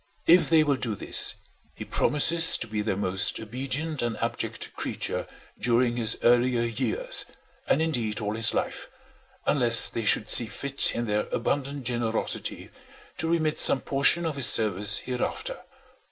If they will do this, he promises to be their most obedient and abject creature during his earlier years, and indeed all his life, unless they should see fit in their abundant generosity to remit some portion of his service hereafter.